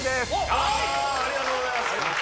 ありがとうございます。